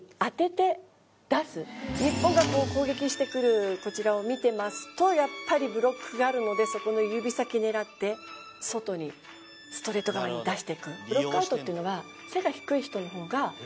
日本が攻撃してくるこちらを見てますとやっぱりブロックがあるのでそこの指先狙って外にストレート側に出していく。